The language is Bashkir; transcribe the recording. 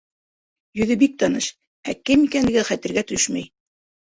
Йөҙө бик таныш, ә кем икәнлеге хәтергә төшмәй.